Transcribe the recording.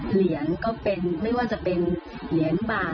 เหรียญก็เป็นไม่ว่าจะเป็นเหรียญบาท